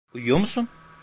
Uyuyor musun?